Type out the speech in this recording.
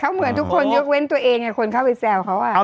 เขาเหมือนทุกคนยกเว้นตัวเองคนเข้าไปแซวเขา